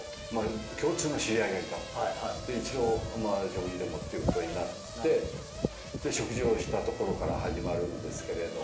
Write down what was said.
一度食事でもっていうことになって食事をしたところから始まるんですけれども。